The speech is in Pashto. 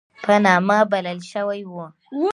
په نامه بلل شوی وو.